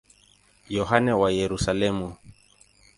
Yohane wa Yerusalemu.